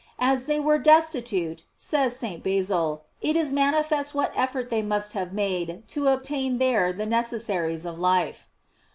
As they were destitute, says St. Basil, it is manifest what ef fort they must have made to obtain there the necessaries of life.